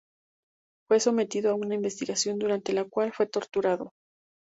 Fue sometido a una investigación durante la cual fue torturado.